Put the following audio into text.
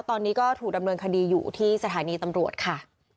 ตอนนี้ก็ถูกดำเนินคดีอยู่ที่สถานีตำรวจค่ะ